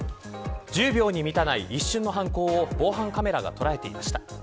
１０秒に満たない一瞬の犯行を防犯カメラが捉えていました。